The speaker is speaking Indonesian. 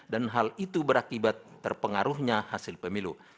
dan hal itu berakibat terpengaruhnya hasil pemilu